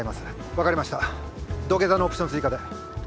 分かりました土下座のオプション追加で。